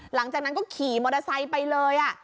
หลังจากนั้นก็ขี่มอเตอร์ไซค์ไปเลย